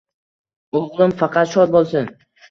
«O’g’lim faqat shod bo’lsin.